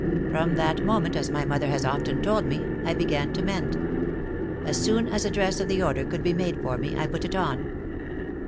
From that moment, as my mother has often told me, I began to mend. As soon as a dress of the order could be made for me, I put it on.